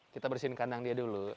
kita bersihin kandang dia dulu